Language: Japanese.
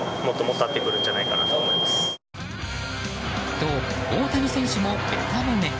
と、大谷選手もべた褒め。